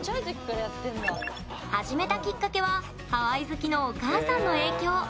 始めたきっかけはハワイ好きのお母さんの影響。